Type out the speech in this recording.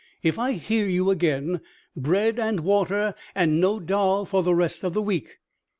If I hear you again, bread and water and no doll for the rest of the week."